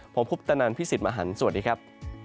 ผมคุปตะนันพี่สิทธิ์มหันฯสวัสดีครับ